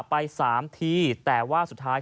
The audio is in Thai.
ไปสามทีแต่ว่าสุดท้าย